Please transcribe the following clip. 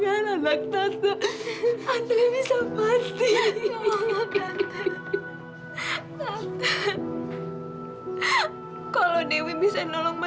hanya kamu satu satunya anakku